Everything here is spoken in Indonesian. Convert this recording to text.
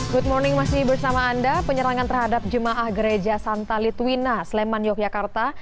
good morning masih bersama anda penyerangan terhadap jemaah gereja santa litwina sleman yogyakarta